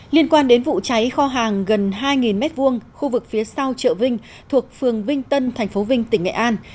liên quan đến vụ cháy kho hàng gần hai m hai khu vực phía sau trợ vinh thuộc phường vinh tân tp vinh tỉnh nghệ an